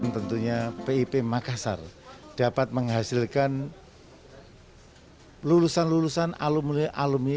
tentunya pip makassar dapat menghasilkan lulusan lulusan alumni alumni